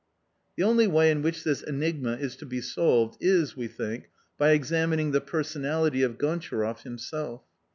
" The only way in which this enigma is to be solved, is, we think, by examining the personality of Gontcharoff himself.